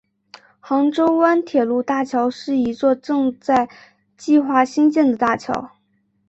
杭州湾铁路大桥是一座正在计划兴建的大桥。